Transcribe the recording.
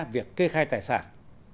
việc kê khai tài sản